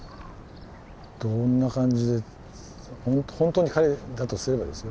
どんな感じで本当に彼だとすればですよ。